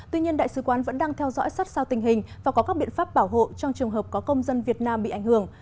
tuy nhiên đại sứ quán vẫn đang theo dõi sát sao tình hình và có các biện pháp bảo hộ trong trường hợp có công dân việt nam bị ảnh hưởng